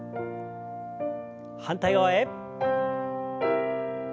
反対側へ。